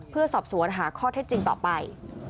เพื่อสอบสวนหาข้อเท็จจริงต่อไป